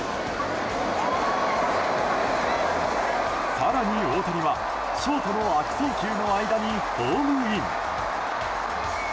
更に大谷は、ショートの悪送球の間にホームイン。